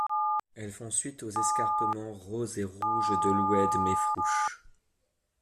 Elles font suite aux escarpements roses et rouges de l’oued Mefrouch.